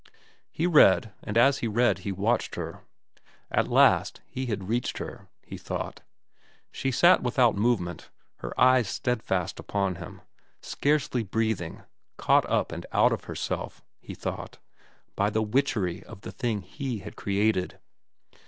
He read, and as he read he watched her. At last he had reached her, he thought. She sat without movement, her eyes steadfast upon him, scarcely breathing, caught up and out of herself, he thought, by the witchery of the thing he had created.